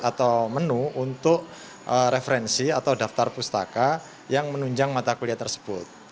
atau menu untuk referensi atau daftar pustaka yang menunjang mata kuliah tersebut